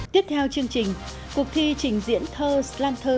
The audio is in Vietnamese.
tiếp theo chương trình cuộc thi trình diễn thơ slanter